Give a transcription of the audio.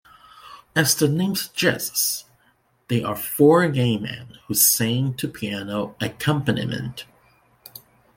As the name suggests, they are four gay men who sing to piano accompaniment.